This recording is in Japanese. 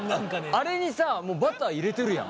あれにさもうバター入れてるやん。